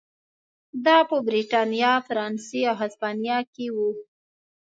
دا په برېټانیا، فرانسې او هسپانیا کې و.